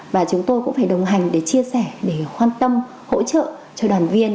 và chúng tôi cũng phải đồng hành để chia sẻ để quan tâm hỗ trợ cho đoàn viên